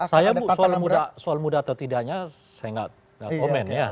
saya bu soal muda atau tidaknya saya nggak komen ya